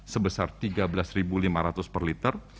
sebesar rp tiga belas lima ratus per liter